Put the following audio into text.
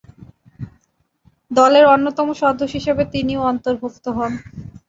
দলের অন্যতম সদস্য হিসেবে তিনিও অন্তর্ভুক্ত হন।